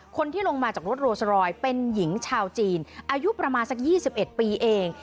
คนที่ลงมาจากรถโรสรอยเป็นหญิงชาวจีนอายุประมาณสัก๒๑ปีเอง